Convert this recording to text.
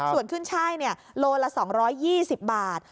ส่วนขึ้นช่ายเนี่ยโลละสองร้อยยี่สิบบาท